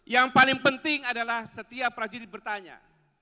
yang paling penting adalah setiap prajurit bertanya